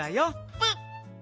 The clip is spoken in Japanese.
プッ！